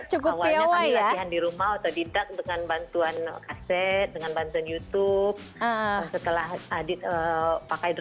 cukup pi enabled dirumah dindak dengan bantuan kaset dengan bantuan youtube setelah adit pakai